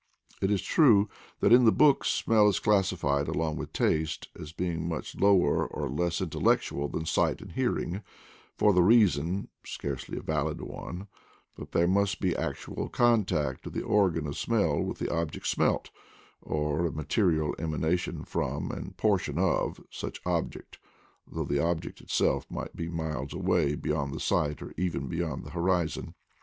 It is true that in the books smell is classified along with taste, as being much lower or less intellectual than sight and hearing, for the reason (scarcely a valid one) that there must be actual contact of the organ of smell with the object smelt, or a material emanation from, and portion of, such object, although the object itself might be miles away beyond the sight or even beyond the horizon.